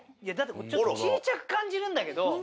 ちょっと小ちゃく感じるんだけど